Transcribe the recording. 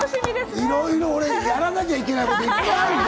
いろいろ俺、やらなきゃやらいけこと、いっぱいあるんだよ。